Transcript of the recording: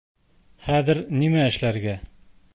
Хәҙер нимә эшләргә?